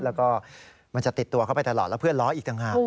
แล้วก็มันจะติดตัวเข้าไปตลอดแล้วเพื่อนล้ออีกต่างหาก